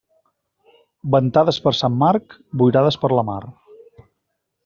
Ventades per Sant Marc, boirades per la mar.